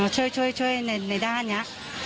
ช่วยในด้านนี้